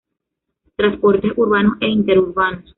Transportes urbanos e interurbanos.